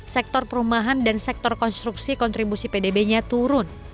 sektor perumahan dan sektor konstruksi kontribusi pdb nya turun